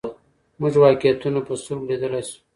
موږ واقعیتونه په سترګو لیدلای سو.